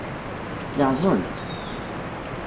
Yeɛẓeg?